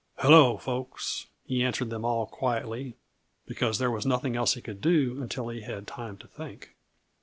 "Hello, folks!" he answered them all quietly, because there was nothing else that he could do until he had time to think.